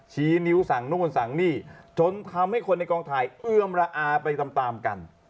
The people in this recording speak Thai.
ชี้นิ้วสั่งนู่นสั่งนี่จนทำให้คนในกองถ่ายเอื้อมระอาไปตามตามกัน